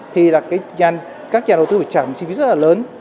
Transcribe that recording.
thì các nhà đầu tư phải trả một chi phí rất là lớn